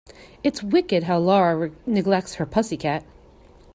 It's wicked how Lara neglects her pussy cat.